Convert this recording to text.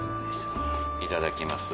いただきます。